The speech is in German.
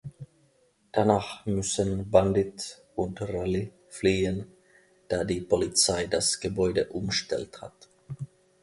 Danach müssen Bandit und Rally fliehen, da die Polizei das Gebäude umstellt hat.